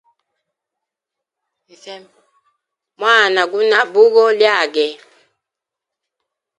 Mwana guna bugo lyage.